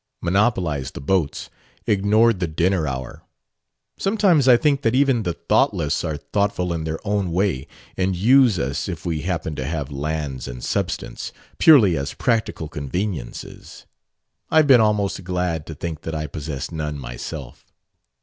Monopolized the boats; ignored the dinner hour.... Sometimes I think that even the thoughtless are thoughtful in their own way and use us, if we happen to have lands and substance, purely as practical conveniences. I've been almost glad to think that I possess none myself."